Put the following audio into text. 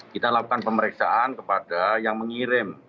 kita lakukan pemeriksaan kepada yang mengirim